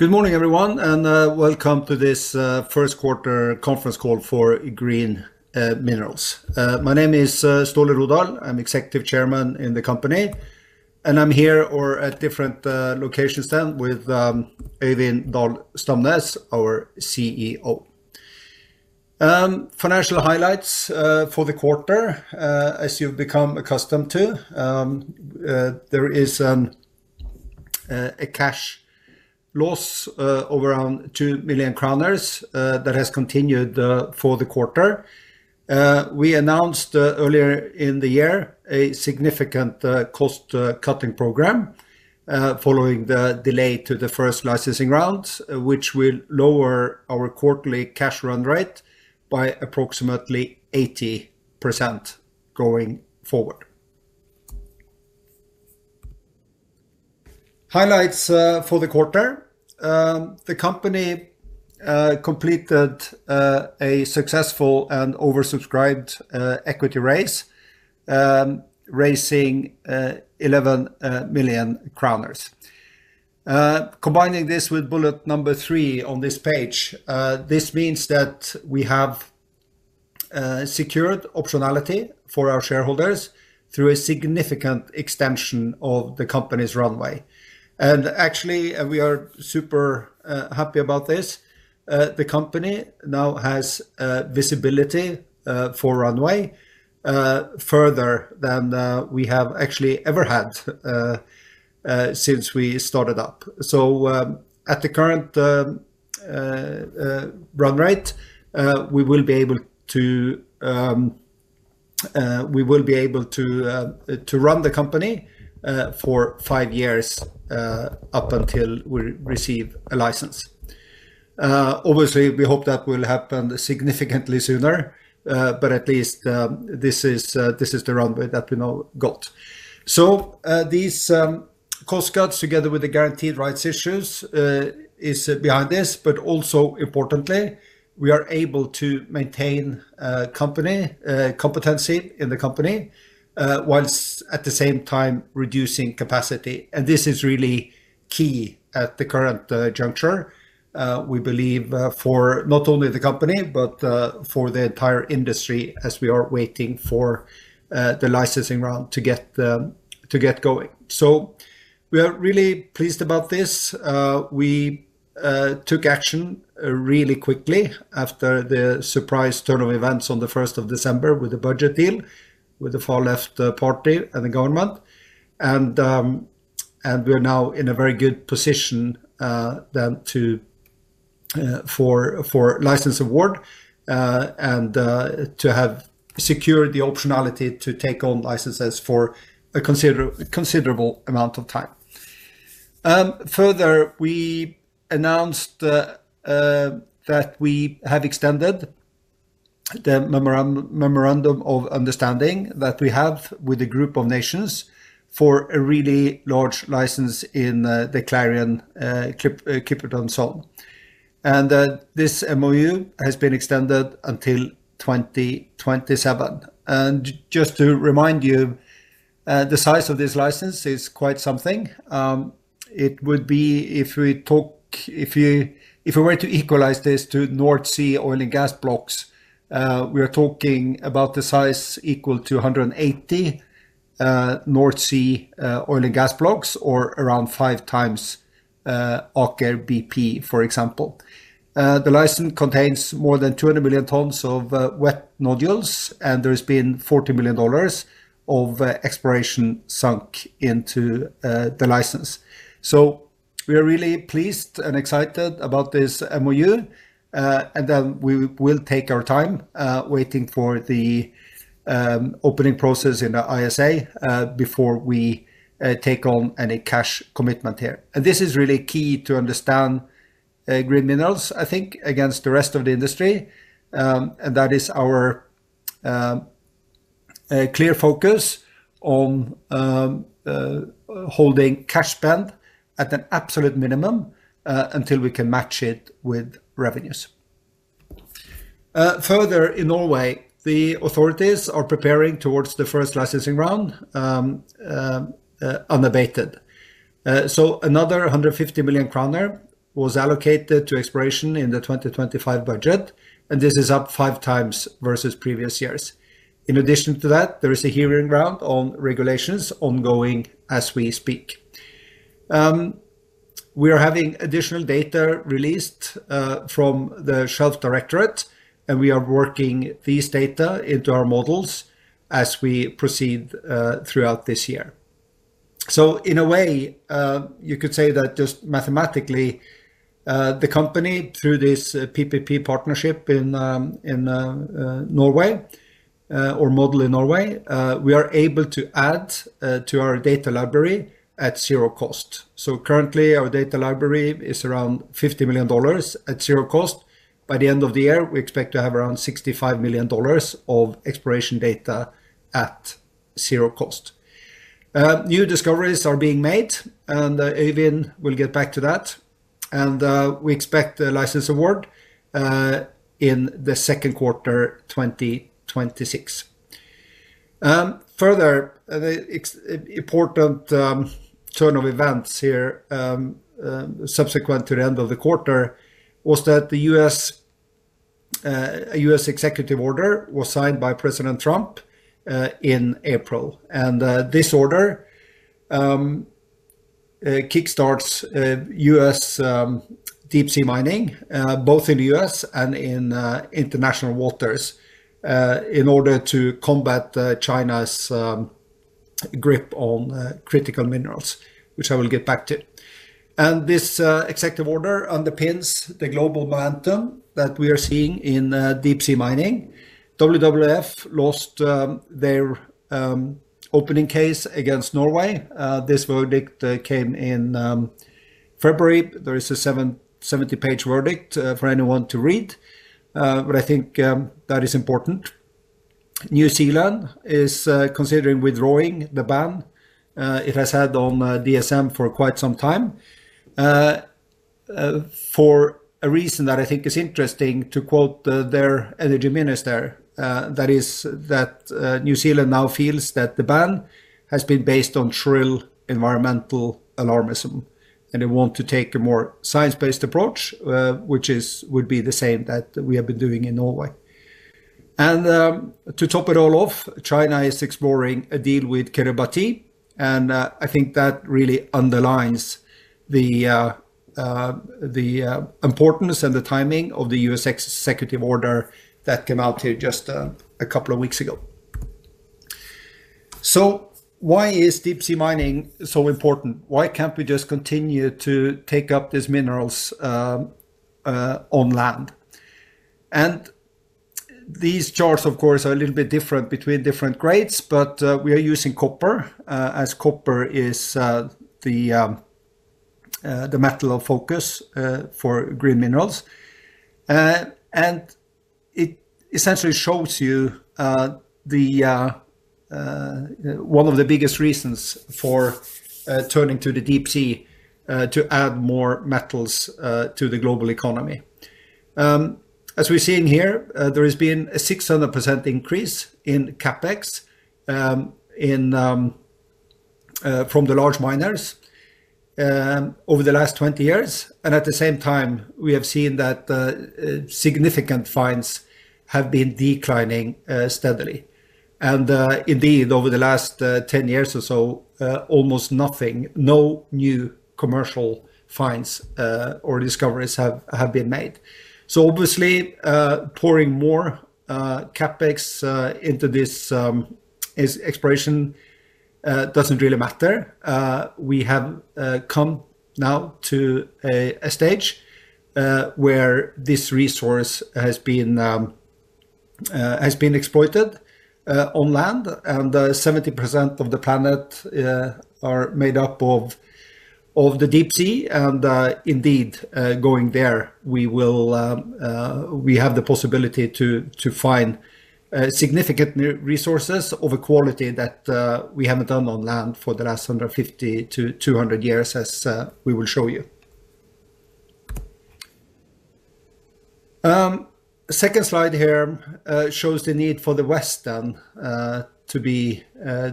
Good morning, everyone, and welcome to this First Quarter Conference Call for Green Minerals. My name is Ståle Rodahl, I'm Executive Chairman in the company, and I'm here at different locations then with Øivind Dahl-Stamnes, our CEO. Financial highlights for the quarter, as you've become accustomed to, there is a cash loss of around 2 million kroner that has continued for the quarter. We announced earlier in the year a significant cost-cutting program following the delay to the first licensing round, which will lower our quarterly cash run rate by approximately 80% going forward. Highlights for the quarter: the company completed a successful and oversubscribed equity raise, raising 11 million. Combining this with bullet number three on this page, this means that we have secured optionality for our shareholders through a significant extension of the company's runway. Actually, we are super happy about this. The company now has visibility for runway further than we have actually ever had since we started up. At the current run rate, we will be able to run the company for five years up until we receive a license. Obviously, we hope that will happen significantly sooner, but at least this is the runway that we now got. These cost cuts, together with the guaranteed rights issues, are behind this, but also importantly, we are able to maintain competency in the company whilst at the same time reducing capacity. This is really key at the current juncture, we believe, for not only the company, but for the entire industry as we are waiting for the licensing round to get going. We are really pleased about this. We took action really quickly after the surprise turn of events on the 1st of December with the budget deal with the far-left party and the government. We are now in a very good position then for license award and to have secured the optionality to take on licenses for a considerable amount of time. Further, we announced that we have extended the memorandum of understanding that we have with a group of nations for a really large license in the Clarion-Clipperton Zone. This MoU has been extended until 2027. Just to remind you, the size of this license is quite something. It would be if we were to equalize this to North Sea oil and gas blocks, we are talking about the size equal to 180 North Sea oil and gas blocks or around 5x Aker BP, for example. The license contains more than 200 million tons of wet nodules, and there has been $40 million of exploration sunk into the license. We are really pleased and excited about this MoU. We will take our time waiting for the opening process in the ISA before we take on any cash commitment here. This is really key to understand Green Minerals, I think, against the rest of the industry. That is our clear focus on holding cash spend at an absolute minimum until we can match it with revenues. Further, in Norway, the authorities are preparing towards the first licensing round unabated. Another 150 million kroner was allocated to exploration in the 2025 budget, and this is up 5x versus previous years. In addition to that, there is a hearing round on regulations ongoing as we speak. We are having additional data released from the Shelf Directorate, and we are working these data into our models as we proceed throughout this year. In a way, you could say that just mathematically, the company, through this PPP in Norway, we are able to add to our data library at zero cost. Currently, our data library is around $50 million at zero cost. By the end of the year, we expect to have around $65 million of exploration data at zero cost. New discoveries are being made, and Øivind will get back to that. We expect the license award in the second quarter 2026. Further, the important turn of events here subsequent to the end of the quarter was that a U.S. executive order was signed by President Trump in April. This order kickstarts U.S. deep sea mining, both in the U.S. and in international waters, in order to combat China's grip on critical minerals, which I will get back to. This executive order underpins the global momentum that we are seeing in deep sea mining. WWF lost their opening case against Norway. This verdict came in February. There is a 70-page verdict for anyone to read, but I think that is important. New Zealand is considering withdrawing the ban it has had on DSM for quite some time for a reason that I think is interesting to quote their energy minister. That is that New Zealand now feels that the ban has been based on shrill environmental alarmism, and they want to take a more science-based approach, which would be the same that we have been doing in Norway. To top it all off, China is exploring a deal with Kiribati, and I think that really underlines the importance and the timing of the U.S. executive order that came out just a couple of weeks ago. Why is deep sea mining so important? Why can't we just continue to take up these minerals on land? These charts, of course, are a little bit different between different grades, but we are using copper, as copper is the metal of focus for Green Minerals. It essentially shows you one of the biggest reasons for turning to the deep sea to add more metals to the global economy. As we're seeing here, there has been a 600% increase in CapEx from the large miners over the last 20 years. At the same time, we have seen that significant fines have been declining steadily. Indeed, over the last 10 years or so, almost nothing, no new commercial finds or discoveries have been made. Obviously, pouring more CapEx into this exploration does not really matter. We have come now to a stage where this resource has been exploited on land, and 70% of the planet are made up of the deep sea. Indeed, going there, we have the possibility to find significant resources of a quality that we have not done on land for the last 150 years-200 years, as we will show you. The second slide here shows the need for the West then to be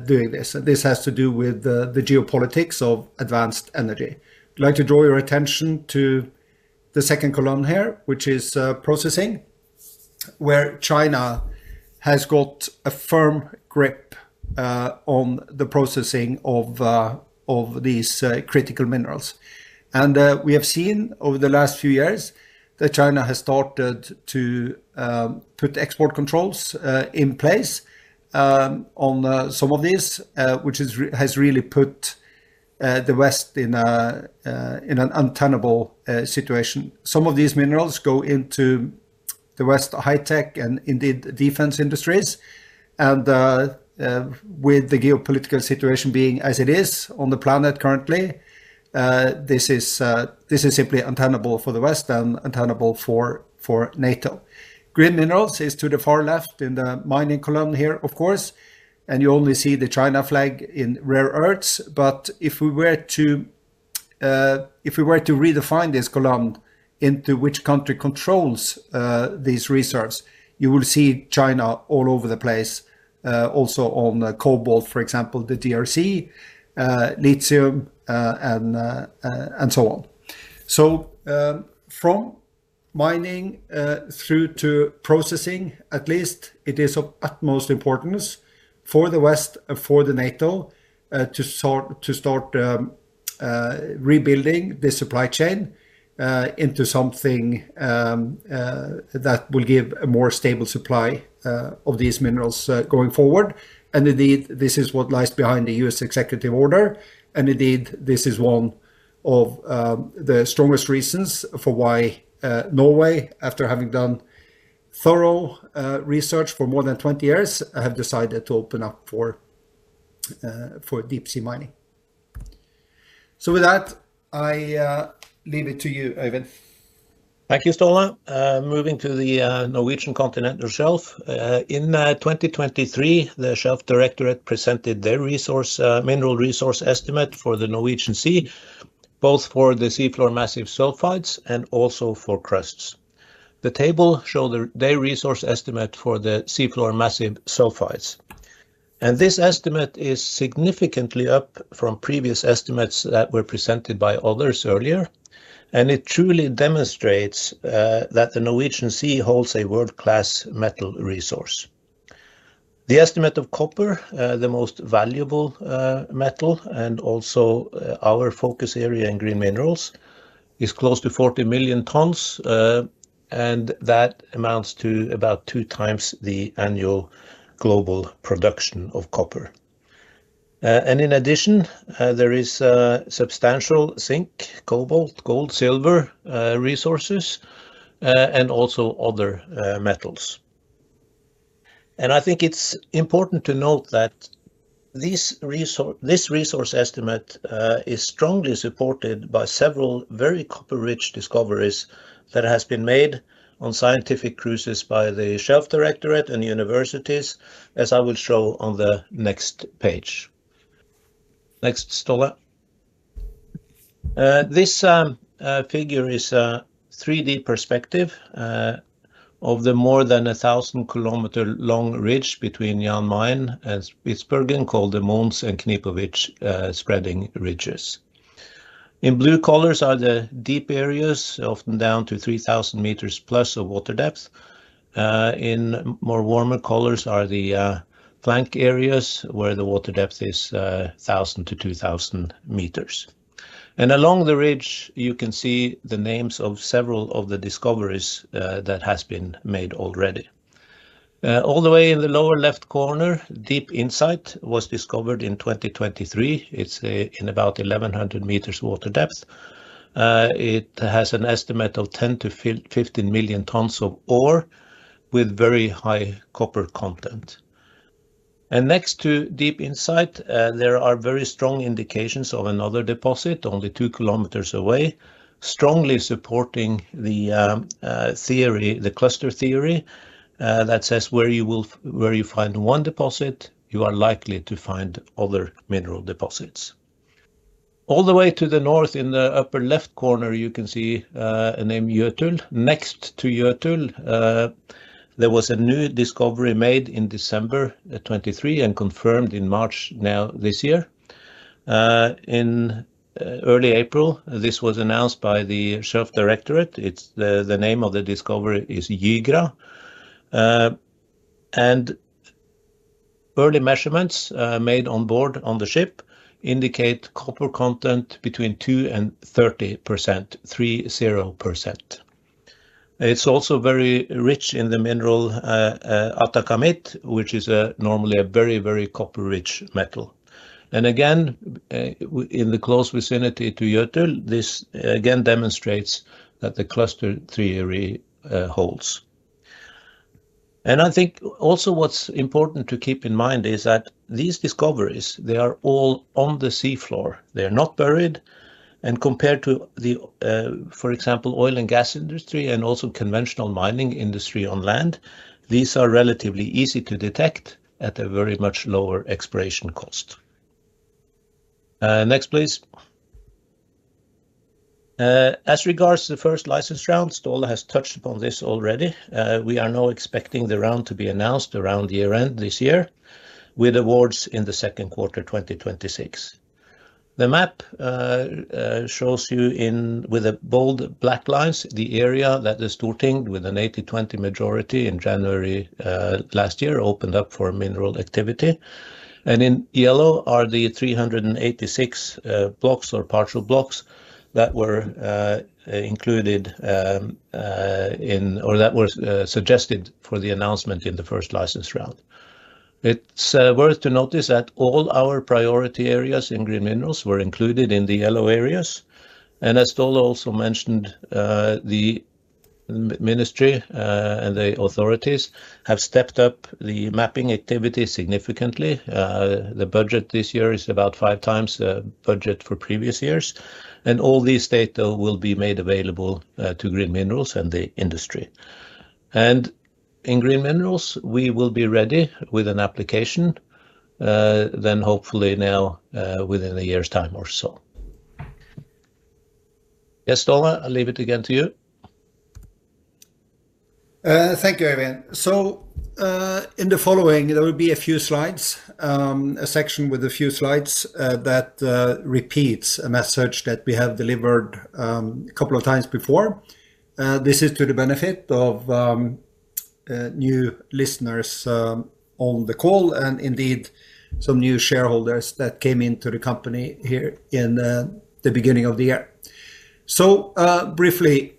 doing this. This has to do with the geopolitics of advanced energy. I would like to draw your attention to the second column here, which is processing, where China has got a firm grip on the processing of these critical minerals. We have seen over the last few years that China has started to put export controls in place on some of these, which has really put the West in an untenable situation. Some of these minerals go into the West high-tech and indeed defense industries. With the geopolitical situation being as it is on the planet currently, this is simply untenable for the West and untenable for NATO. Green Minerals is to the far left in the mining column here, of course, and you only see the China flag in rare earths. If we were to redefine this column into which country controls these reserves, you will see China all over the place, also on cobalt, for example, the DRC, lithium, and so on. From mining through to processing, at least, it is of utmost importance for the West and for NATO to start rebuilding this supply chain into something that will give a more stable supply of these minerals going forward. Indeed, this is what lies behind the U.S. executive order. Indeed, this is one of the strongest reasons for why Norway, after having done thorough research for more than 20 years, has decided to open up for deep sea mining. With that, I leave it to you, Øivind. Thank you, Ståle. Moving to the Norwegian continent itself. In 2023, the Shelf Directorate presented their mineral resource estimate for the Norwegian Sea, both for the Seafloor Massive Sulfides and also for CRESTS. The table shows their resource estimate for the Seafloor Massive Sulfides. This estimate is significantly up from previous estimates that were presented by others earlier. It truly demonstrates that the Norwegian Sea holds a world-class metal resource. The estimate of copper, the most valuable metal and also our focus area in Green Minerals, is close to 40 million tons, and that amounts to about 2x the annual global production of copper. In addition, there is substantial zinc, cobalt, gold, silver resources, and also other metals. I think it's important to note that this resource estimate is strongly supported by several very copper-rich discoveries that have been made on scientific cruises by the Shelf Directorate and universities, as I will show on the next page. Next, Ståle. This figure is a 3D perspective of the more than 1,000-km-long ridge between Jan Mayen and Spitsbergen, called the Mohns and Knipovich Spreading Ridges. In blue colors are the deep areas, often down to 3,000+ meters of water depth. In more warmer colors are the flank areas where the water depth is 1,000 meters-2,000 meters. Along the ridge, you can see the names of several of the discoveries that have been made already. All the way in the lower left corner, Deep Insight was discovered in 2023. It is in about 1,100 meters water depth. It has an estimate of 10 million tons-15 million tons of ore with very high copper content. Next to Deep Insight, there are very strong indications of another deposit only 2 km away, strongly supporting the cluster theory that says where you find one deposit, you are likely to find other mineral deposits. All the way to the north, in the upper left corner, you can see a name Jøtul. Next to Jøtul, there was a new discovery made in December 2023 and confirmed in March now this year. In early April, this was announced by the Shelf Directorate. The name of the discovery is JIGRA. Early measurements made on board on the ship indicate copper content between 2% and 30%. It is also very rich in the mineral atacamaite, which is normally a very, very copper-rich metal. Again, in the close vicinity to Jøtul, this demonstrates that the cluster theory holds. I think also what is important to keep in mind is that these discoveries, they are all on the seafloor. They are not buried. Compared to, for example, the oil and gas industry and also conventional mining industry on land, these are relatively easy to detect at a much lower exploration cost. Next, please. As regards to the first license round, Ståle has touched upon this already. We are now expecting the round to be announced around year-end this year with awards in the second quarter 2026. The map shows you with bold black lines the area that is, starting with an 80/20 majority in January last year, opened up for mineral activity. In yellow are the 386 blocks or partial blocks that were included or that were suggested for the announcement in the first license round. It is worth to notice that all our priority areas in Green Minerals were included in the yellow areas. As Ståle also mentioned, the ministry and the authorities have stepped up the mapping activity significantly. The budget this year is about five times the budget for previous years. All these data will be made available to Green Minerals and the industry. In Green Minerals, we will be ready with an application then hopefully now within a year's time or so. Yes, Ståle, I'll leave it again to you. Thank you, Øivind. In the following, there will be a few slides, a section with a few slides that repeats a message that we have delivered a couple of times before. This is to the benefit of new listeners on the call and indeed some new shareholders that came into the company here in the beginning of the year. Briefly,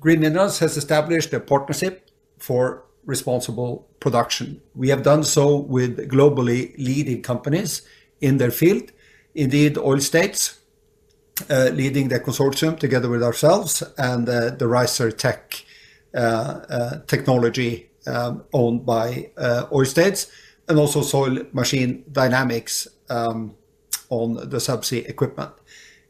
Green Minerals has established a partnership for responsible production. We have done so with globally leading companies in their field. Indeed, Oil States leading the consortium together with ourselves and the RiserTech Technology owned by Oil States and also Soil Machine Dynamics on the subsea equipment.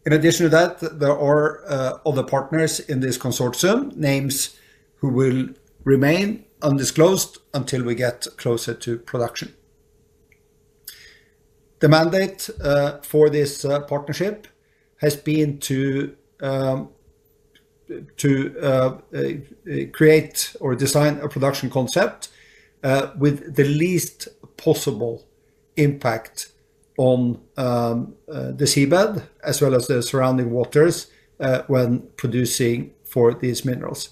In addition to that, there are other partners in this consortium, names who will remain undisclosed until we get closer to production. The mandate for this partnership has been to create or design a production concept with the least possible impact on the seabed as well as the surrounding waters when producing for these minerals.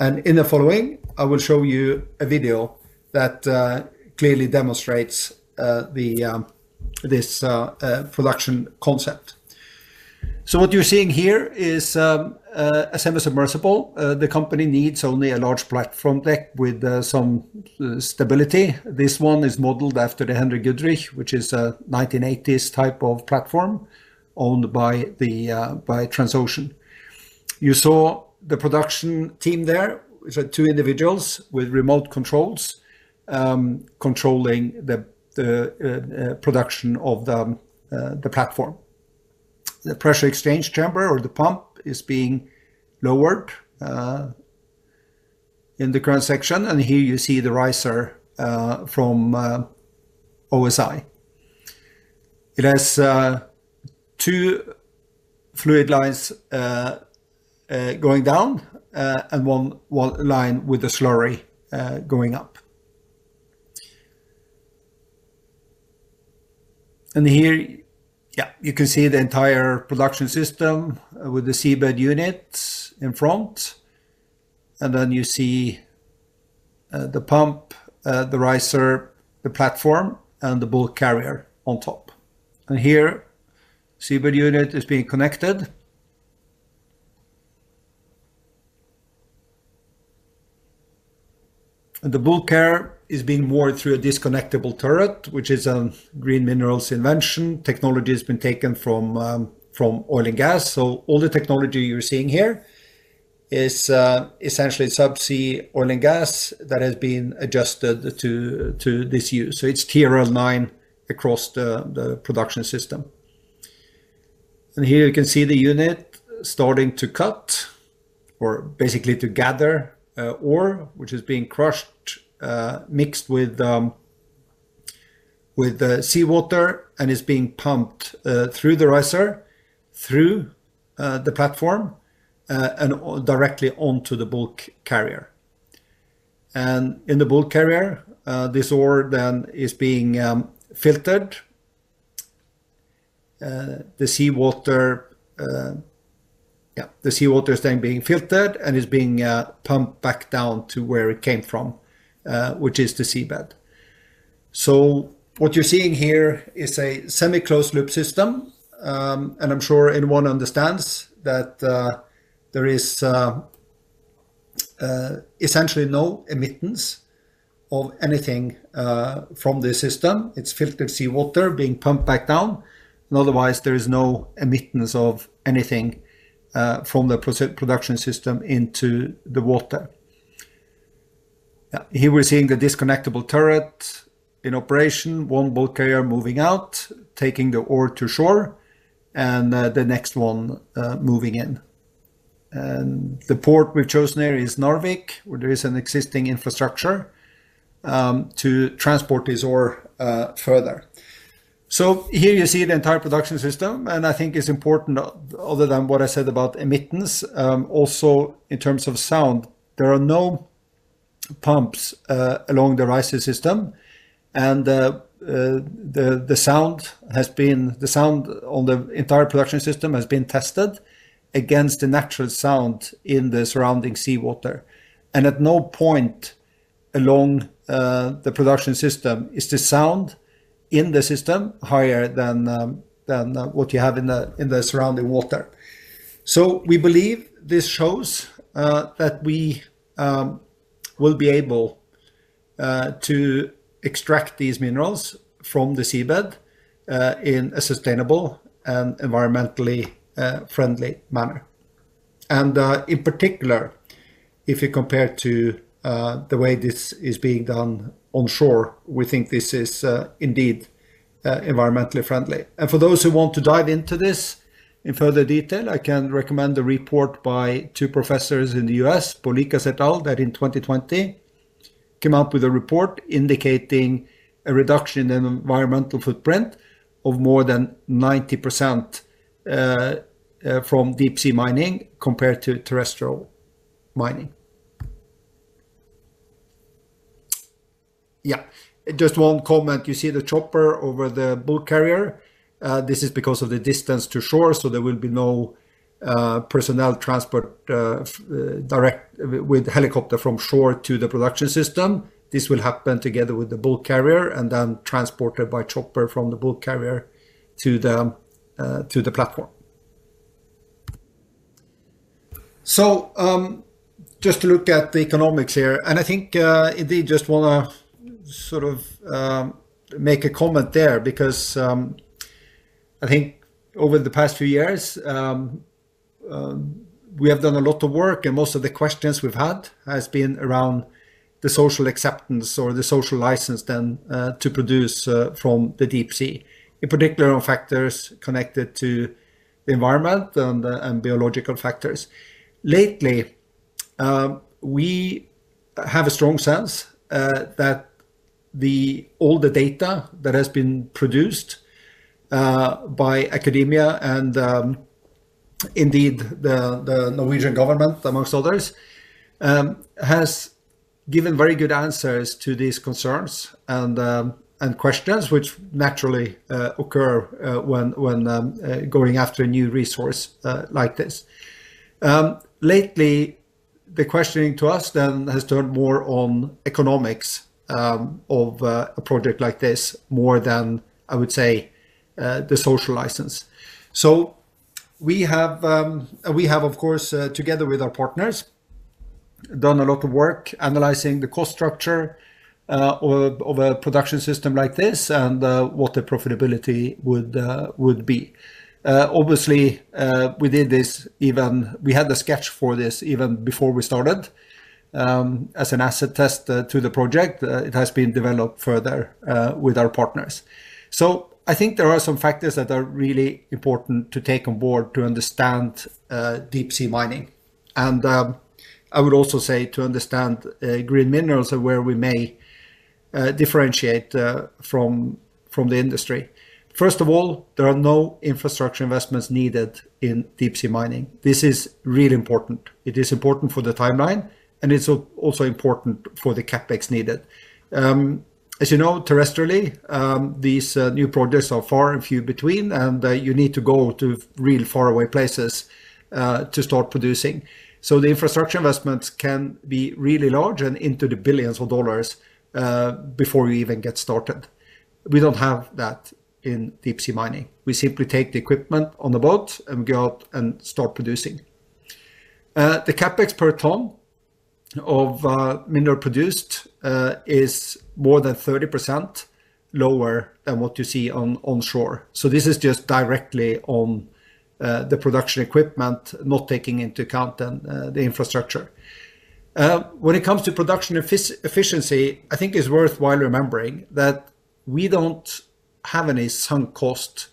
In the following, I will show you a video that clearly demonstrates this production concept. What you're seeing here is a semi-submersible. The company needs only a large platform deck with some stability. This one is modeled after the Henry Goodrich, which is a 1980s type of platform owned by Transocean. You saw the production team there. It's two individuals with remote controls controlling the production of the platform. The pressure exchange chamber or the pump is being lowered in the current section. Here you see the riser from OSI. It has two fluid lines going down and one line with a slurry going up. Here, you can see the entire production system with the seabed unit in front. You see the pump, the riser, the platform, and the bulk carrier on top. Here, the seabed unit is being connected. The bulk carrier is being moored through a disconnectable turret, which is a Green Minerals invention. Technology has been taken from oil and gas. All the technology you're seeing here is essentially subsea oil and gas that has been adjusted to this use. It's TRL-9 across the production system. Here you can see the unit starting to cut or basically to gather ore, which is being crushed, mixed with seawater, and is being pumped through the riser, through the platform, and directly onto the bulk carrier. In the bulk carrier, this ore then is being filtered. The seawater is then being filtered and is being pumped back down to where it came from, which is the seabed. What you are seeing here is a semi-closed loop system. I am sure anyone understands that there is essentially no emittance of anything from this system. It is filtered seawater being pumped back down. Otherwise, there is no emittance of anything from the production system into the water. Here we are seeing the disconnectable turret in operation, one bulk carrier moving out, taking the ore to shore, and the next one moving in. The port we have chosen here is Narvik, where there is an existing infrastructure to transport this ore further. Here you see the entire production system. I think it is important, other than what I said about emittance, also in terms of sound. There are no pumps along the riser system. The sound on the entire production system has been tested against the natural sound in the surrounding seawater. At no point along the production system is the sound in the system higher than what you have in the surrounding water. We believe this shows that we will be able to extract these minerals from the seabed in a sustainable and environmentally friendly manner. In particular, if you compare to the way this is being done on shore, we think this is indeed environmentally friendly. For those who want to dive into this in further detail, I can recommend the report by two professors in the U.S., Paulikas "Stale", that in 2020 came out with a report indicating a reduction in the environmental footprint of more than 90% from deep sea mining compared to terrestrial mining. Yeah, just one comment. You see the chopper over the bulk carrier. This is because of the distance to shore. There will be no personnel transport with helicopter from shore to the production system. This will happen together with the bulk carrier and then transported by chopper from the bulk carrier to the platform. Just to look at the economics here. I think, indeed, just want to sort of make a comment there because I think over the past few years, we have done a lot of work. Most of the questions we've had have been around the social acceptance or the social license then to produce from the deep sea, in particular on factors connected to the environment and biological factors. Lately, we have a strong sense that all the data that has been produced by academia and indeed the Norwegian Government, amongst others, has given very good answers to these concerns and questions, which naturally occur when going after a new resource like this. Lately, the questioning to us then has turned more on economics of a project like this more than, I would say, the social license. We have, of course, together with our partners, done a lot of work analyzing the cost structure of a production system like this and what the profitability would be. Obviously, we did this even we had the sketch for this even before we started as an asset test to the project. It has been developed further with our partners. I think there are some factors that are really important to take on board to understand deep sea mining. I would also say to understand Green Minerals and where we may differentiate from the industry. First of all, there are no infrastructure investments needed in deep sea mining. This is really important. It is important for the timeline, and it is also important for the CapEx needed. As you know, terrestrially, these new projects are far and few between, and you need to go to real faraway places to start producing. The infrastructure investments can be really large and into the billions of dollars before you even get started. We do not have that in deep sea mining. We simply take the equipment on the boat and go out and start producing. The CapEx per ton of mineral produced is more than 30% lower than what you see on shore. This is just directly on the production equipment, not taking into account the infrastructure. When it comes to production efficiency, I think it's worthwhile remembering that we don't have any sunk cost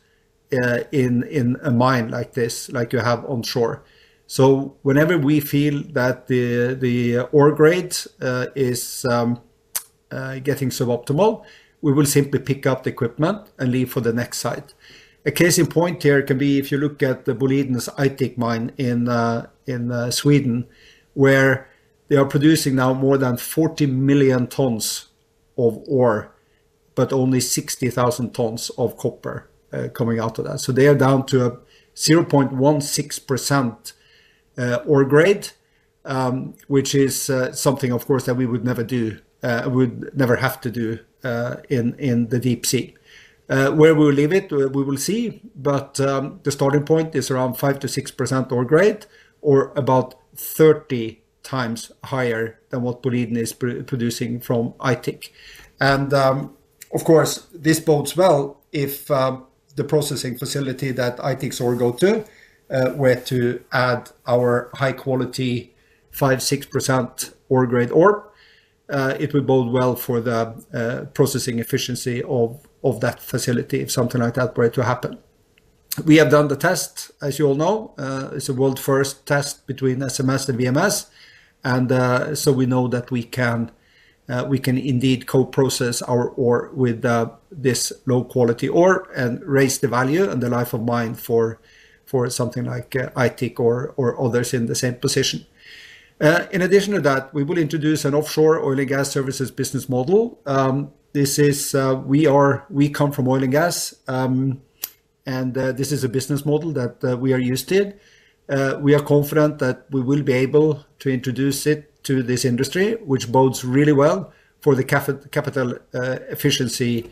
in a mine like this, like you have on shore. Whenever we feel that the ore grade is getting suboptimal, we will simply pick up the equipment and leave for the next site. A case in point here can be if you look at the Boliden Aitik mine in Sweden, where they are producing now more than 40 million tons of ore, but only 60,000 tons of copper coming out of that. They are down to a 0.16% ore grade, which is something, of course, that we would never do, would never have to do in the deep sea. Where we will leave it, we will see. The starting point is around 5%-6% ore grade, or about 30x higher than what Boliden is producing from Aitik. Of course, this bodes well if the processing facility that Aitik's ore goes to were to add our high-quality 5%-6% Ore-grade ore. It would bode well for the processing efficiency of that facility if something like that were to happen. We have done the test, as you all know. It is a world-first test between SMS and VMS. We know that we can indeed co-process our ore with this low-quality ore and raise the value and the life of mine for something like Aitik or others in the same position. In addition to that, we will introduce an offshore oil and gas services business model. We come from oil and gas, and this is a business model that we are used to. We are confident that we will be able to introduce it to this industry, which bodes really well for the capital efficiency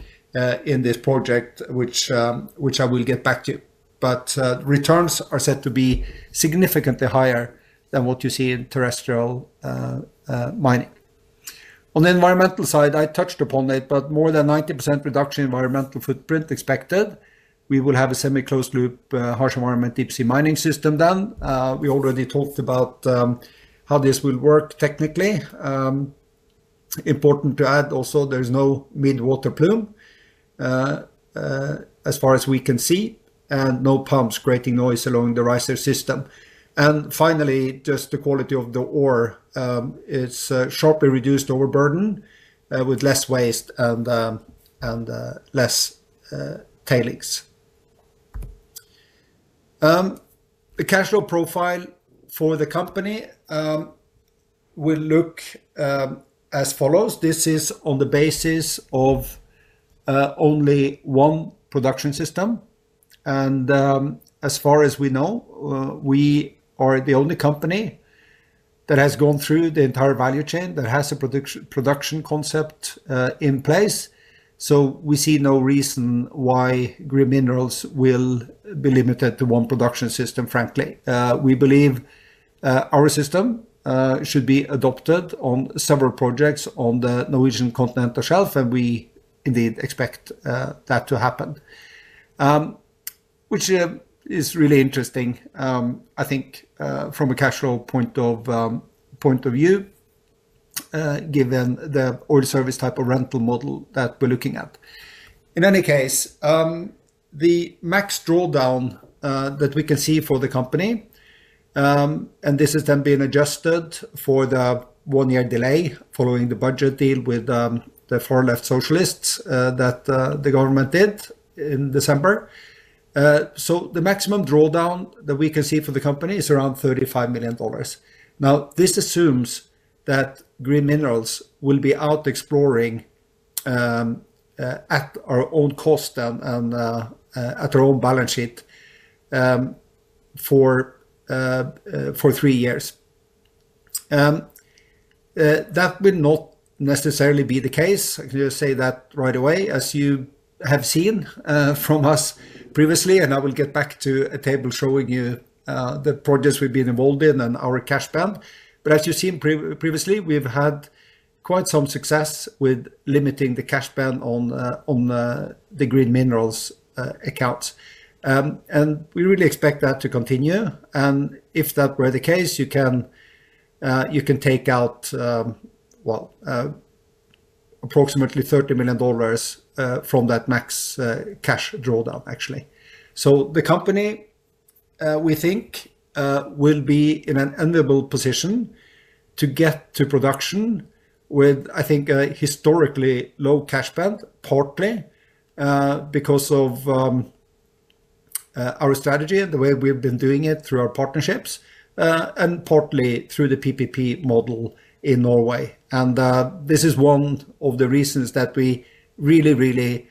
in this project, which I will get back to you. Returns are set to be significantly higher than what you see in terrestrial mining. On the environmental side, I touched upon it, but more than 90% reduction in environmental footprint expected. We will have a semi-closed loop, harsh environment, deep sea mining system then. We already talked about how this will work technically. Important to add also, there is no mid-water plume as far as we can see, and no pumps creating noise along the riser system. Finally, just the quality of the ore. It's a sharply reduced overburden with less waste and less tailings. The cash flow profile for the company will look as follows. This is on the basis of only one production system. As far as we know, we are the only company that has gone through the entire value chain that has a production concept in place. We see no reason why Green Minerals will be limited to one production system, frankly. We believe our system should be adopted on several projects on the Norwegian continental shelf, and we indeed expect that to happen, which is really interesting, I think, from a cash flow point of view, given the oil service type of rental model that we're looking at. In any case, the max drawdown that we can see for the company, and this has then been adjusted for the one-year delay following the budget deal with the far-left socialists that the government did in December. The maximum drawdown that we can see for the company is around $35 million. This assumes that Green Minerals will be out exploring at our own cost and at our own balance sheet for three years. That will not necessarily be the case. I can just say that right away, as you have seen from us previously, and I will get back to a table showing you the projects we've been involved in and our cash ban. As you've seen previously, we've had quite some success with limiting the cash ban on the Green Minerals accounts. We really expect that to continue. If that were the case, you can take out, well, approximately $30 million from that max cash drawdown, actually. The company, we think, will be in an unwieldy position to get to production with, I think, a historically low cash ban, partly because of our strategy and the way we've been doing it through our partnerships and partly through the PPP model in Norway. This is one of the reasons that we really, really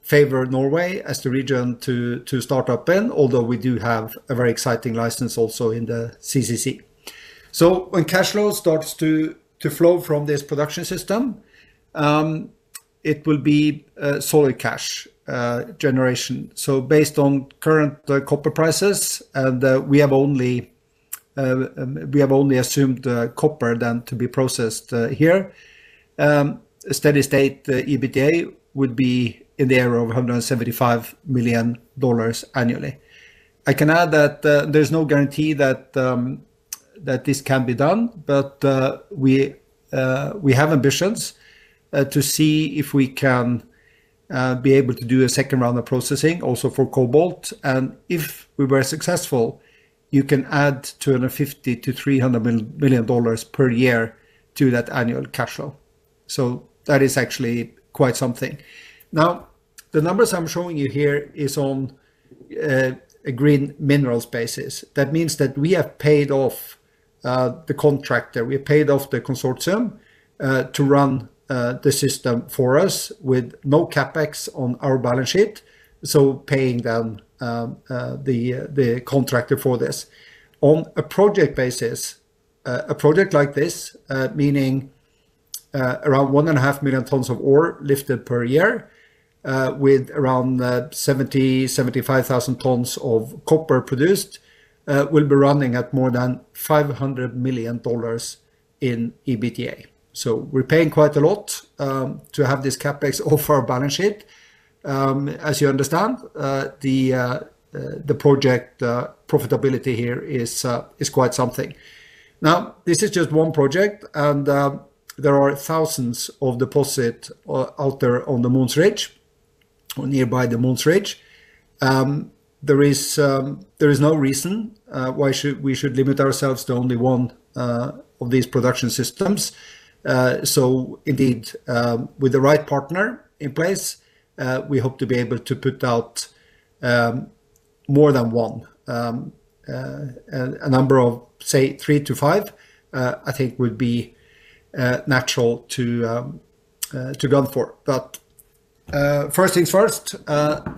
favor Norway as the region to start up, although we do have a very exciting license also in the CCZ. When cash flow starts to flow from this production system, it will be solid cash generation. Based on current copper prices, and we have only assumed copper then to be processed here, steady state EBITDA would be in the area of $175 million annually. I can add that there is no guarantee that this can be done, but we have ambitions to see if we can be able to do a second round of processing also for cobalt. If we were successful, you can add $250 million-$300 million per year to that annual cash flow. That is actually quite something. The numbers I am showing you here are on a Green Minerals basis. That means that we have paid off the contractor. We have paid off the consortium to run the system for us with no CapEx on our balance sheet. Paying them, the contractor, for this. On a project basis, a project like this, meaning around 1.5 million tons of ore lifted per year with around 70,000 tons-75,000 tons of copper produced, will be running at more than $500 million in EBITDA. We are paying quite a lot to have this CapEx off our balance sheet. As you understand, the project profitability here is quite something. This is just one project, and there are thousands of deposits out there on the Mohns Ridge or nearby the Mohns Ridge. There is no reason why we should limit ourselves to only one of these production systems. Indeed, with the right partner in place, we hope to be able to put out more than one. A number of, say, three-five, I think, would be natural to run for. First things first,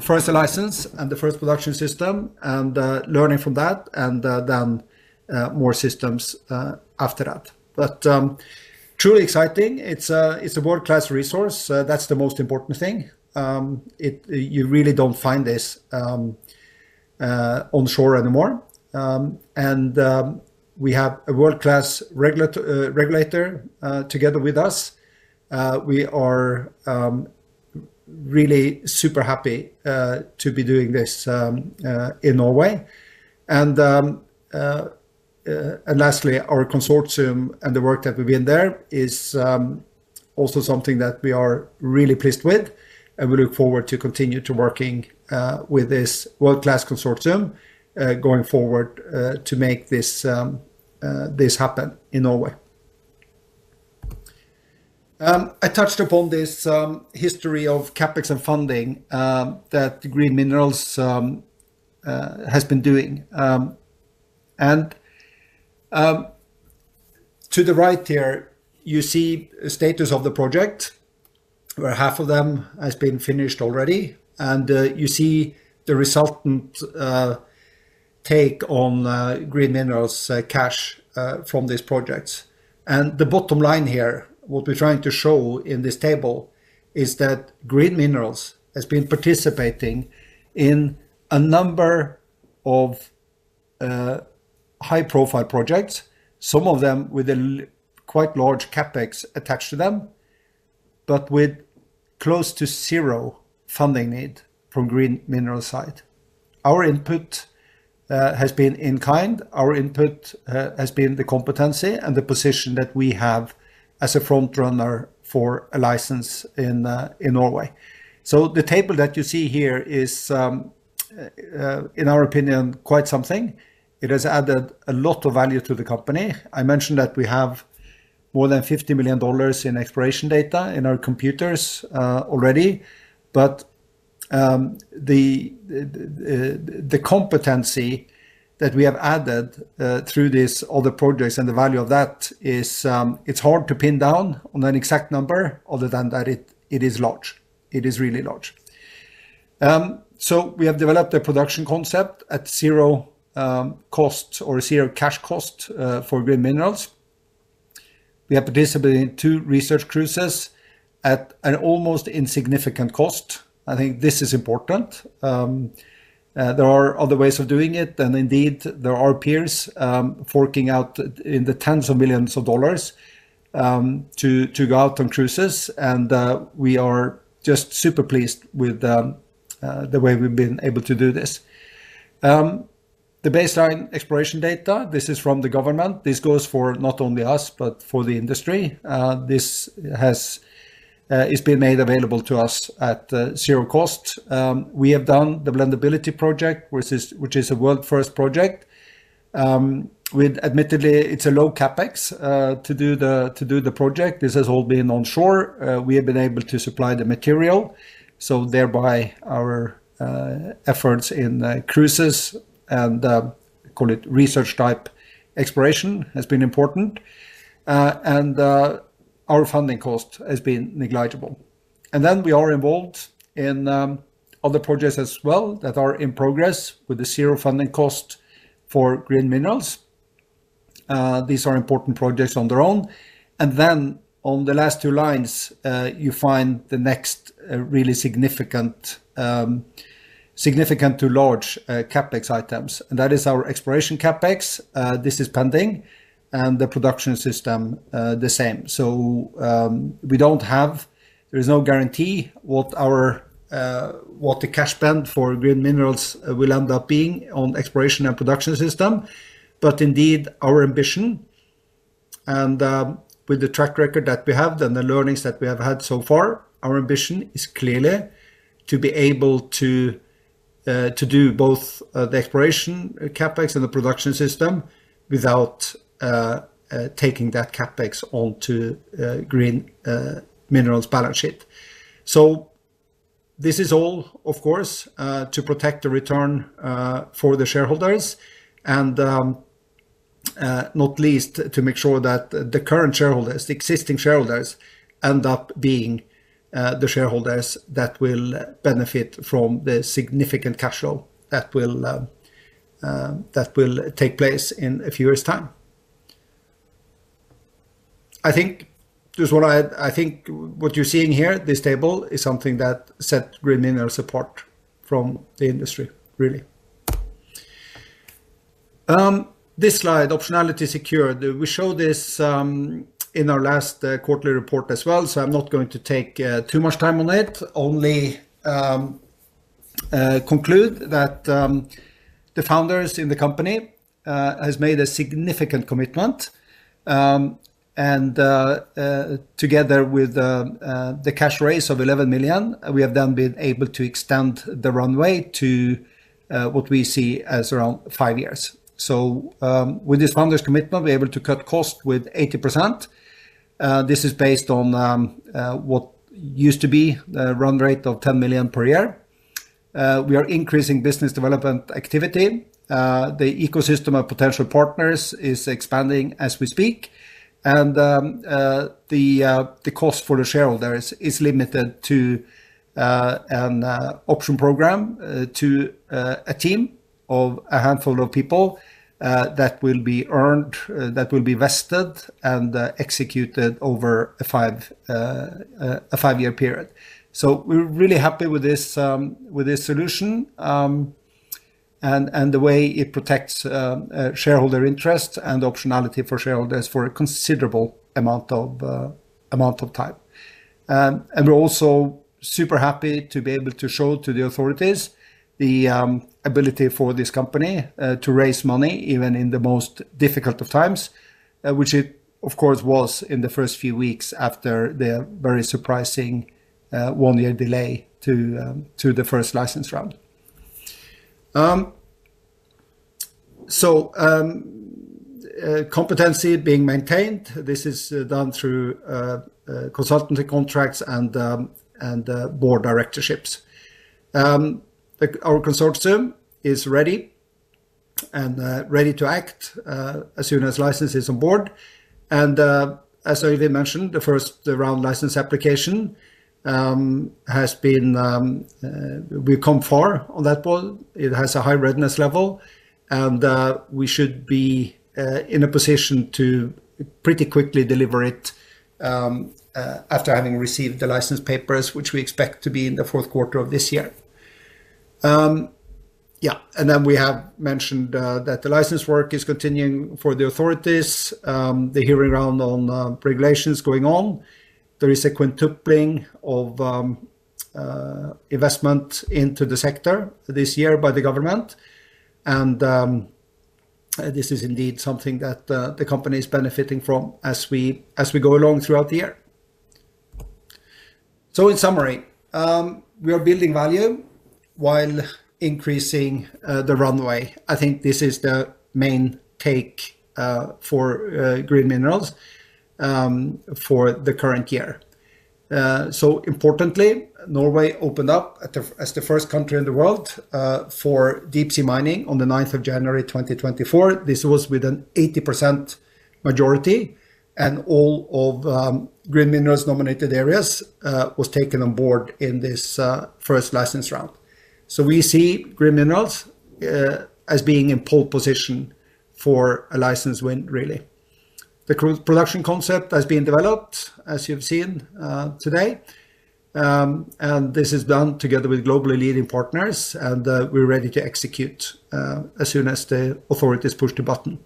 first a license and the first production system and learning from that, and then more systems after that. Truly exciting. It's a world-class resource. That's the most important thing. You really don't find this on shore anymore. We have a world-class regulator together with us. We are really super happy to be doing this in Norway. Lastly, our consortium and the work that we've been there is also something that we are really pleased with, and we look forward to continue working with this world-class consortium going forward to make this happen in Norway. I touched upon this history of CapEx and funding that Green Minerals has been doing. To the right here, you see the status of the project, where half of them has been finished already. You see the resultant take on Green Minerals cash from these projects. The bottom line here, what we are trying to show in this table, is that Green Minerals has been participating in a number of high-profile projects, some of them with quite large CapEx attached to them, but with close to zero funding need from Green Minerals' side. Our input has been in kind. Our input has been the competency and the position that we have as a front runner for a license in Norway. The table that you see here is, in our opinion, quite something. It has added a lot of value to the company. I mentioned that we have more than $50 million in exploration data in our computers already. The competency that we have added through these other projects and the value of that, it's hard to pin down on an exact number other than that it is large. It is really large. We have developed a production concept at zero cost or zero cash cost for Green Minerals. We have participated in two research cruises at an almost insignificant cost. I think this is important. There are other ways of doing it. Indeed, there are peers forking out in the tens of millions of dollars to go out on cruises. We are just super pleased with the way we've been able to do this. The baseline exploration data, this is from the government. This goes for not only us, but for the industry. This has been made available to us at zero cost. We have done the Blendability Project, which is a world-first project. Admittedly, it's a low CapEx to do the project. This has all been on shore. We have been able to supply the material. Thereby, our efforts in cruises and, call it, research-type exploration has been important. Our funding cost has been negligible. We are involved in other projects as well that are in progress with the zero funding cost for Green Minerals. These are important projects on their own. On the last two lines, you find the next really significant to large CapEx items. That is our exploration CapEx. This is pending. The production system, the same. We do not have, there is no guarantee what the cash spend for Green Minerals will end up being on exploration and production system. Indeed, our ambition, and with the track record that we have and the learnings that we have had so far, our ambition is clearly to be able to do both the exploration CapEx and the production system without taking that CapEx onto Green Minerals' balance sheet. This is all, of course, to protect the return for the shareholders. Not least, to make sure that the current shareholders, the existing shareholders, end up being the shareholders that will benefit from the significant cash flow that will take place in a few years' time. I think what you are seeing here, this table, is something that sets Green Minerals apart from the industry, really. This slide, Optionality Secured, we show this in our last quarterly report as well. I'm not going to take too much time on it, only conclude that the founders in the company have made a significant commitment. Together with the cash raise of $11 million, we have then been able to extend the runway to what we see as around five years. With this founders' commitment, we're able to cut costs with 80%. This is based on what used to be the run rate of $10 million per year. We are increasing business development activity. The ecosystem of potential partners is expanding as we speak. The cost for the shareholders is limited to an option program to a team of a handful of people that will be earned, that will be vested, and executed over a five-year period. We're really happy with this solution and the way it protects shareholder interests and optionality for shareholders for a considerable amount of time. We're also super happy to be able to show to the authorities the ability for this company to raise money even in the most difficult of times, which it, of course, was in the first few weeks after the very surprising one-year delay to the first license round. Competency being maintained, this is done through consultancy contracts and board directorships. Our consortium is ready and ready to act as soon as license is on board. As I mentioned, the first round license application has been we've come far on that ball. It has a high readiness level. We should be in a position to pretty quickly deliver it after having received the license papers, which we expect to be in the fourth quarter of this year. Yeah. We have mentioned that the license work is continuing for the authorities. The hearing round on regulations is going on. There is a quintupling of investment into the sector this year by the government. This is indeed something that the company is benefiting from as we go along throughout the year. In summary, we are building value while increasing the runway. I think this is the main take for Green Minerals for the current year. Importantly, Norway opened up as the first country in the world for deep-sea mining on the 9th of January, 2024. This was with an 80% majority. All of Green Minerals' nominated areas were taken on board in this first license round. We see Green Minerals as being in pole position for a license win, really. The production concept has been developed, as you've seen today. This is done together with globally leading partners. We're ready to execute as soon as the authorities push the button.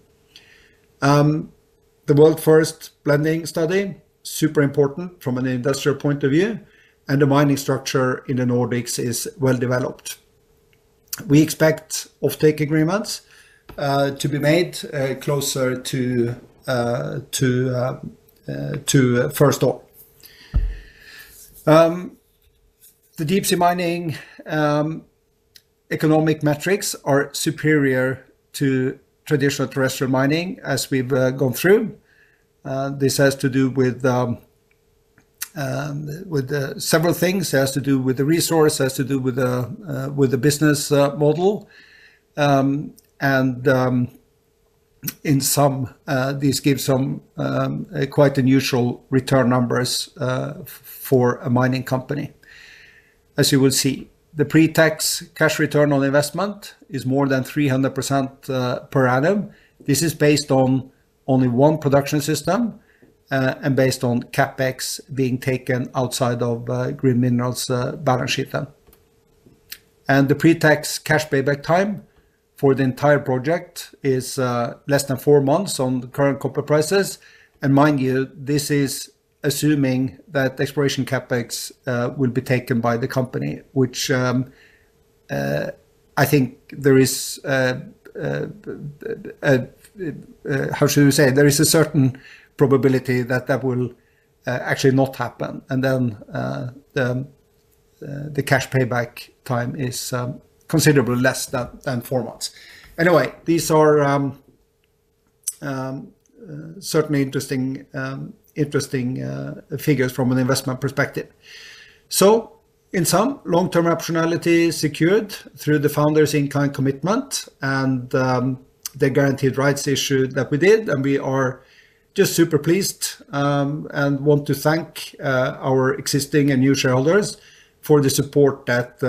The world-first blending study is super important from an industrial point of view. The mining structure in the Nordics is well developed. We expect offtake agreements to be made closer to first door. The deep-sea mining economic metrics are superior to traditional terrestrial mining, as we've gone through. This has to do with several things. It has to do with the resource, has to do with the business model. In sum, this gives some quite unusual return numbers for a mining company, as you will see. The pre-tax cash return on investment is more than 300% per annum. This is based on only one production system and based on CapEx being taken outside of Green Minerals' balance sheet then. The pre-tax cash payback time for the entire project is less than four months on current copper prices. Mind you, this is assuming that exploration CapEx will be taken by the company, which I think there is, how should I say, there is a certain probability that that will actually not happen. Then the cash payback time is considerably less than four months. Anyway, these are certainly interesting figures from an investment perspective. In sum, long-term optionality secured through the founders' in-kind commitment and the guaranteed rights issue that we did. We are just super pleased and want to thank our existing and new shareholders for the support that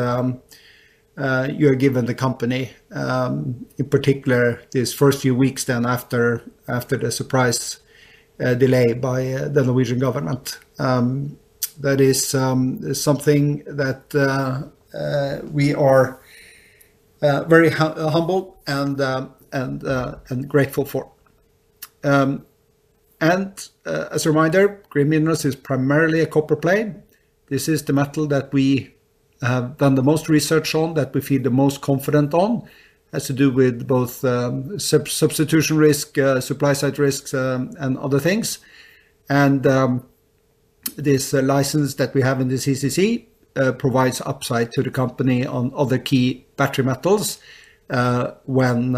you have given the company, in particular, these first few weeks after the surprise delay by the Norwegian government. That is something that we are very humble and grateful for. As a reminder, Green Minerals is primarily a copper play. This is the metal that we have done the most research on, that we feel the most confident on, has to do with both substitution risk, supply-side risks, and other things. This license that we have in the CCZ provides upside to the company on other key battery metals when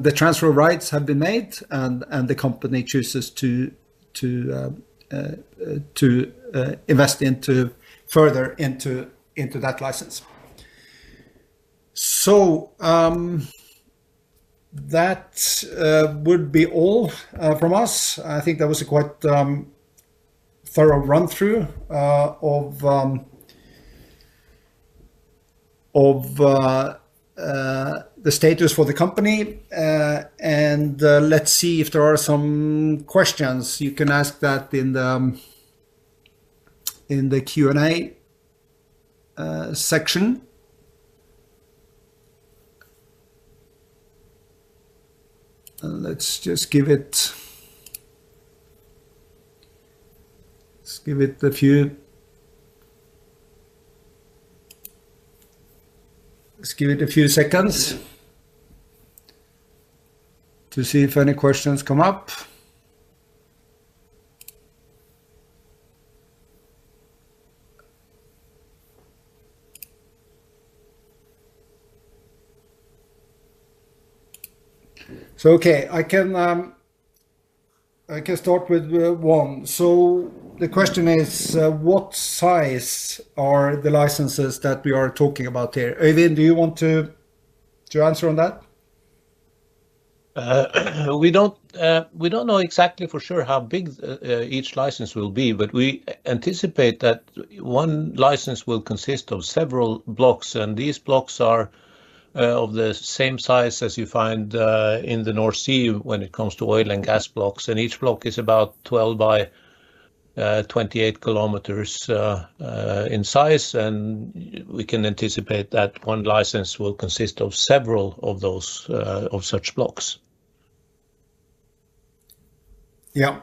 the transfer of rights has been made and the company chooses to invest further into that license. That would be all from us. I think that was a quite thorough run-through of the status for the company. Let's see if there are some questions. You can ask that in the Q&A section. Let's just give it a few seconds to see if any questions come up. Okay, I can start with one. The question is, what size are the licenses that we are talking about here? Øivind, do you want to answer on that? We don't know exactly for sure how big each license will be, but we anticipate that one license will consist of several blocks. These blocks are of the same size as you find in the North Sea when it comes to Oil and Gas blocks. Each block is about 12 km by 28 km in size. We can anticipate that one license will consist of several of such blocks. Yeah.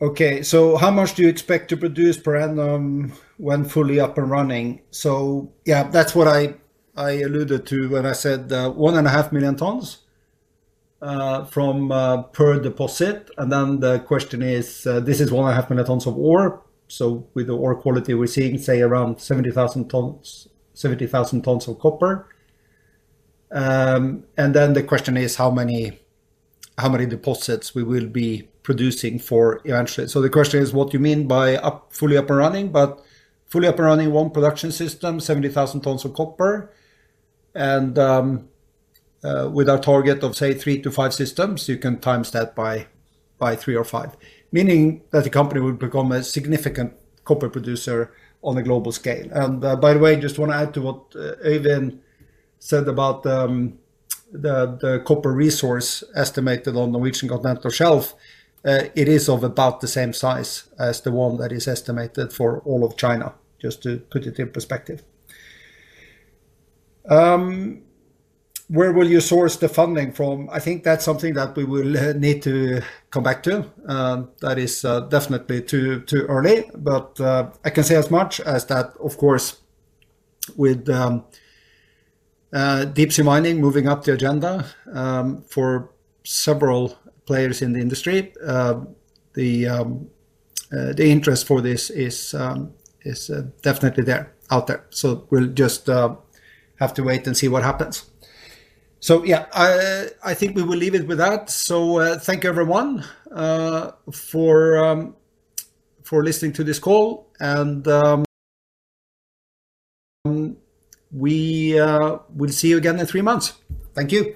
Okay. So how much do you expect to produce per annum when fully up and running? So yeah, that's what I alluded to when I said 1.5 million tons per deposit. And then the question is, this is 1.5 million tons of ore. So with the ore quality we're seeing, say, around 70,000 tons of copper. And then the question is, how many deposits we will be producing for eventually? The question is, what do you mean by fully up and running? Fully up and running one production system, 70,000 tons of copper, and with our target of, say, three systems-five systems, you can times that by three or five, meaning that the company will become a significant copper producer on a global scale. By the way, just want to add to what Øivind said about the copper resource estimated on the Norwegian continental shelf, it is of about the same size as the one that is estimated for all of China, just to put it in perspective. Where will you source the funding from? I think that's something that we will need to come back to. That is definitely too early. I can say as much as that, of course, with deep-sea mining moving up the agenda for several players in the industry, the interest for this is definitely out there. We'll just have to wait and see what happens. I think we will leave it with that. Thank you, everyone, for listening to this call. We will see you again in three months. Thank you.